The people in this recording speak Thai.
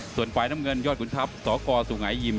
ส่วนไฟล์น้ำเงินย่อนคุณทัพซ้อกอร์สุงัยยิม